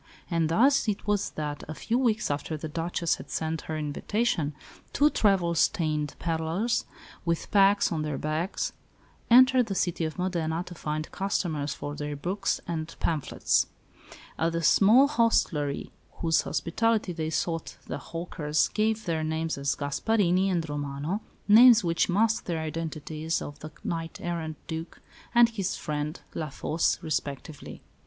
And thus it was that, a few weeks after the Duchess had sent her invitation, two travel stained pedlars, with packs on their backs, entered the city of Modena to find customers for their books and phamphlets. At the small hostelry whose hospitality they sought the hawkers gave their names as Gasparini and Romano, names which masked the identities of the knight errant Duc and his friend, La Fosse, respectively.